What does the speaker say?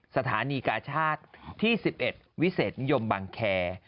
สถานีกาชาติที่๑๑วิเศษนิยมบังแคร์